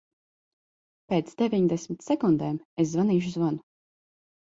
Pēc deviņdesmit sekundēm es zvanīšu zvanu.